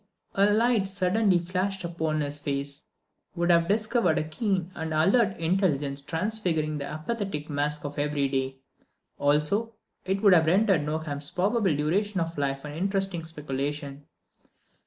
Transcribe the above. A light suddenly flashed upon his face would have discovered a keen and alert intelligence transfiguring the apathetic mask of every day. Also, it would have rendered Nogam's probable duration of life an interesting speculation.